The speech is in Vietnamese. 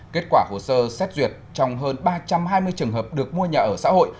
kết quả hồ sơ xét duyệt trong hơn ba trăm hai mươi trường hợp được mua nhà ở xã hội